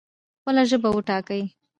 خپله ژبه وټاکئ